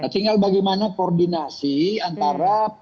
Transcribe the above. tinggal bagaimana koordinasi antara